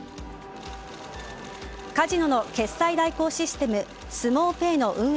カジノの決済代行システムスモウペイの運営